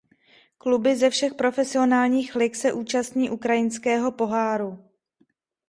Kluby ze všech profesionálních lig se účastní Ukrajinského poháru.